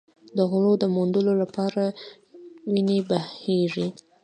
د غلو د موندلو لپاره وینې بهېږي.